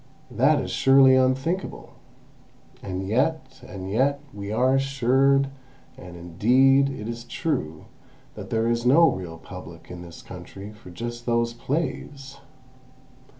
That is surely unthinkable. And yet—and yet—we are assured, and, indeed, it is true, that there is no real Public in this country for just those plays!